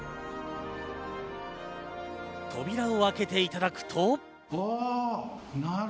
扉を開けていただくと。